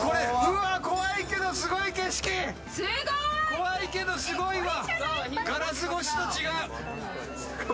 怖いけどすごいわ！